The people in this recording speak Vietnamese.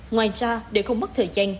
ngoài ra để không mất thời gian